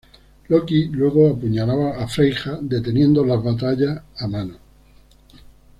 Loki luego apuñala a Freyja deteniendo las batallas a mano.